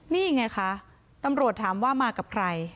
นี่ไงคะตำรวจถามว่ามากับใคร